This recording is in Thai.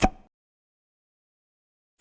แม่งทุกอย่าง